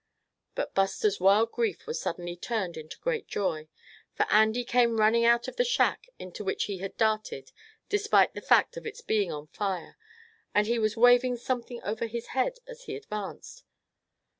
But Buster's wild grief was suddenly turned into great joy; for Andy came running out of the shack, into which he had darted despite the fact of its being on fire, and he was waving something over his head as he advanced.